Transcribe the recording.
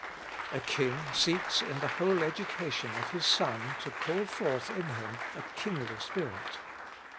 A king seeks in the whole education of his son to call forth in him a kingly spirit.